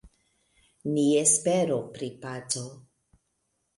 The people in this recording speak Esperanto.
Ni esperu pri paco.